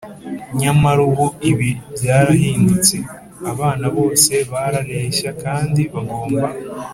Nyamara ubu ibi byarahindutse. Abana bose barareshya kandi bagomba